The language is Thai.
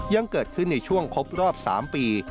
ยังเกิดขึ้นในช่วงครบรอบ๓ปี